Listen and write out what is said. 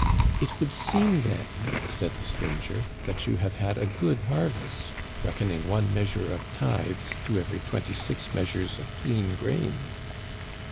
"* It would seem, then,' said the stranger, * that you have had a good harvest, reckoning one measure of tithes to every twenty six measures of clean grain.'